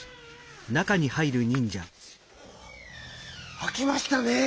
あきましたねぇ。